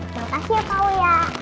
makasih pak uya